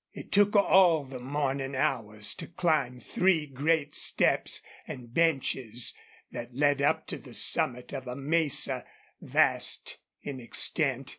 It took all the morning hours to climb three great steps and benches that led up to the summit of a mesa, vast in extent.